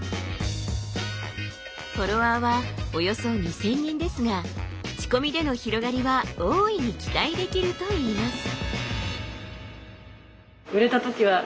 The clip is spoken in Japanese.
フォロワーはおよそ２，０００人ですが口コミでの広がりは大いに期待できるといいます。